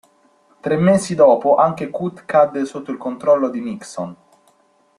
Tre mesi dopo anche Kut cadde sotto il controllo di Nixon.